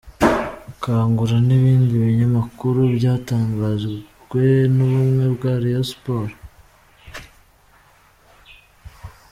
Kangura n’ibindi binyamakuru byatangajwe n’ubumwe bwa Rayon Sports.